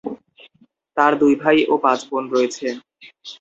তার দুই ভাই ও পাঁচ বোন রয়েছে।